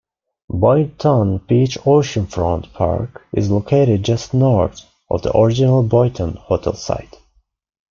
Boynton Beach Oceanfront Park is located just north of the original Boynton Hotel site.